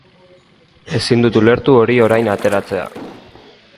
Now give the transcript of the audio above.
Ezin dut ulertu hori orain ateratzea.